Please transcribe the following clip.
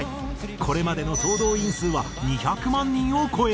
これまでの総動員数は２００万人を超える。